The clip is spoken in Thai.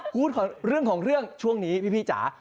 เรื่องของเรื่องช่วงนี้พี่จ๋า